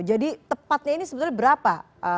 jadi tepatnya ini sebenarnya berapa